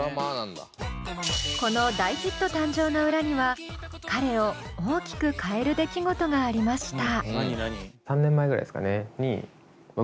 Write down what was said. この大ヒット誕生の裏には彼を大きく変える出来事がありました。